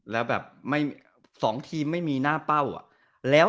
แล้วแบบ๒ทีมไม่มีหน้าเป้าอะ